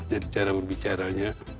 jadi cara membicaranya